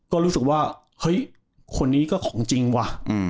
ก็รู้สึกว่าเฮ้ยคนนี้ก็ของจริงว่ะ